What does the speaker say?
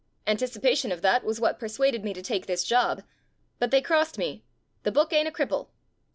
An ticipation of that was what persuaded me to take this job. But they crossed me. The book ain't a cripple.